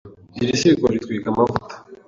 Iri ziko ritwika amavuta.